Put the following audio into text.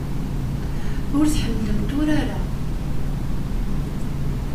Ur tḥemmlemt urar-a.